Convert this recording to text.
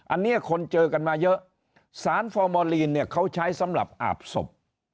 อันนี้คนเจอกันมาเยอะสารฟอร์มอลีนเนี่ยเขาใช้สำหรับอาบศพ